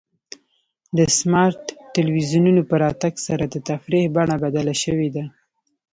د سمارټ ټلویزیونونو په راتګ سره د تفریح بڼه بدله شوې ده.